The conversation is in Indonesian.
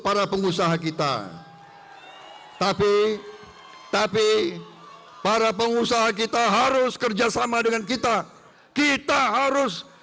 para pengusaha kita tapi tapi para pengusaha kita harus kerjasama dengan kita kita harus